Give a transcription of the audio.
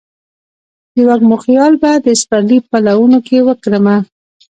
د وږمو خیال به د سپرلي پلونو کې وکرمه